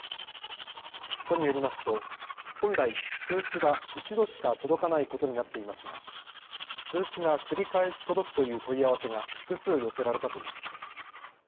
都によりますと本来通知は１度しか届かないことになっていますが通知が繰り返し届くという問い合わせが複数寄せられたということです。